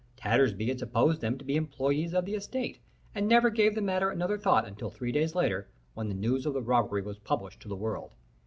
Tattersby had supposed them to be employés of the estate, and never gave the matter another thought until three days later, when the news of the robbery was published to the world.